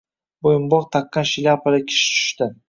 Bo‘yinbog‘ taqqan shlyapali kishi tushdi.